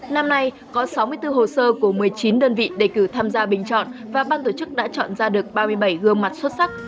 năm nay có sáu mươi bốn hồ sơ của một mươi chín đơn vị đề cử tham gia bình chọn và ban tổ chức đã chọn ra được ba mươi bảy gương mặt xuất sắc